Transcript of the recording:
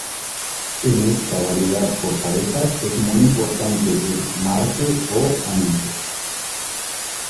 En esta variedad por parejas es muy importante el "marque" o "anuncio".